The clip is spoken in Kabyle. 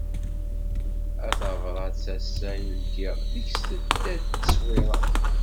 A tabrat assa i ldiɣ, deg-s tedda-d tteṣwira.